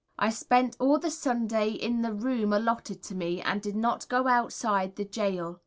I spent all the Sunday in the room allotted to me, and did not go outside the Gaol.